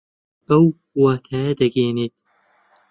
ئەو واتایە دەگەیەنێت